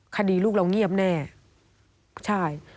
คดีลูกเราเงียบแน่ใช่